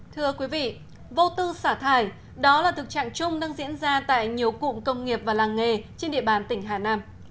thưa quý vị vô tư xả thải đó là thực trạng chung đang diễn ra tại nhiều cụm công nghiệp và làng nghề trên địa bàn tỉnh hà nam